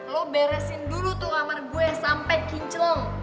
lo beresin dulu tuh kamar gue sampe kincleng